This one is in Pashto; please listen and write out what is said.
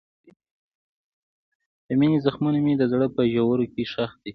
د مینې زخمونه مې د زړه په ژورو کې ښخ دي.